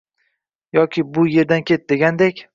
Yoki" Bu erdan ket ", degandek